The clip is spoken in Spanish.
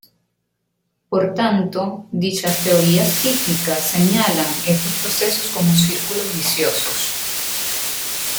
Por tanto, dichas teorías cíclicas señalan estos procesos como círculos viciosos.